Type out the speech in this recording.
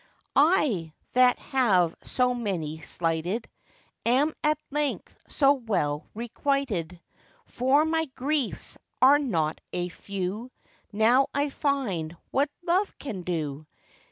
'I, that have so many slighted, Am at length so well requited; For my griefs are not a few! Now I find what love can do.